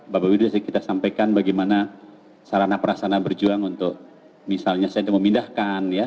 bapak ibu sudah kita sampaikan bagaimana sarana perasana berjuang untuk misalnya saya untuk memindahkan ya